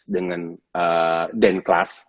dengan dance class